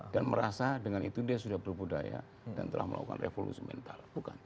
dan merasa dengan itu dia sudah berbudaya dan telah melakukan revolusi mental bukan